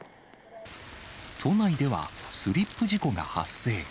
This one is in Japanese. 都内では、スリップ事故が発生。